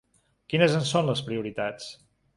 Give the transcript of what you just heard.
Quines en són les prioritats?